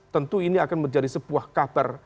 tentu ini akan menjadi sebuah kabar